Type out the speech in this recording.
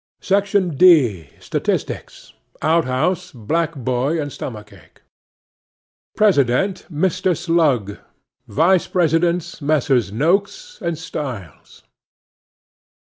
'SECTION D.—STATISTICS. OUT HOUSE, BLACK BOY AND STOMACH ACHE. President—Mr. Slug. Vice Presidents—Messrs. Noakes and Styles.